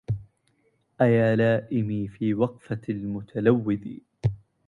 أيا لائمي في وقفة المتلوذ